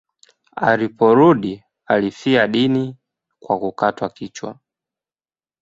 Aliporudi alifia dini kwa kukatwa kichwa.